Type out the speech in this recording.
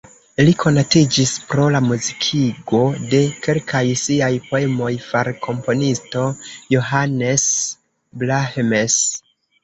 Li konatiĝis pro la muzikigo de kelkaj siaj poemoj far komponisto Johannes Brahms.